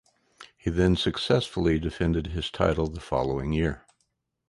He then successfully defended his title the following year.